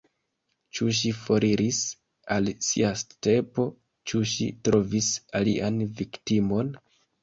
Ĉu ŝi foriris al sia stepo, ĉu ŝi trovis alian viktimon?